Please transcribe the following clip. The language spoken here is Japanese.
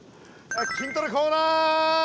筋トレコーナー！